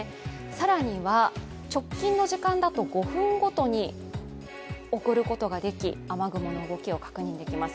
更には、直近の時間だと５分ごとに、送ることができ雨雲の動きを確認できます。